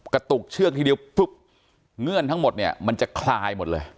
กระตุกเชือกทีเดียวปุ๊บเงื่อนทั้งหมดเนี่ยมันจะคลายหมดเลย